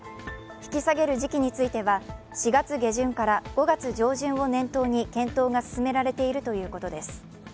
引き下げる時期については４月下旬から５月上旬を念頭に検討が進められているということです。